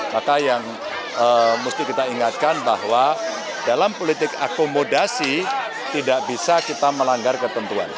maka yang mesti kita ingatkan bahwa dalam politik akomodasi tidak bisa kita melanggar ketentuan